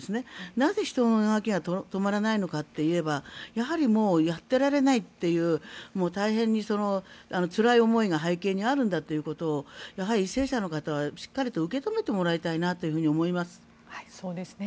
なぜ人の動きが止まらないのかと言えばやはりもうやってられないっていう大変につらい思いが背景にあるんだということを為政者の方はしっかりと受け止めてもらいたいなと思います。